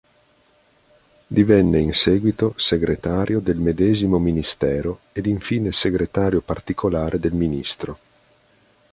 Divenne in seguito segretario del medesimo ministero ed infine segretario particolare del ministro.